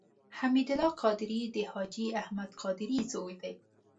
حمید الله قادري د حاجي احمد قادري زوی دی.